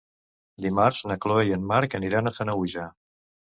Dimarts na Chloé i en Marc aniran a Sanaüja.